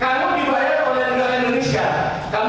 kamu enggak keluar kamu jalan jalan salah